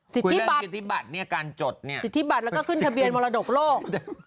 สิทธิบัตรสิทธิบัตรแล้วก็ขึ้นทะเบียนมรดกโลก